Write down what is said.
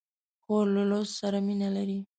خور له لوست سره مینه لري.